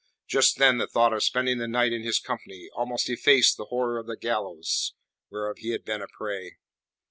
Just then the thought of spending the night in his company almost effaced the horror of the gallows whereof he had been a prey.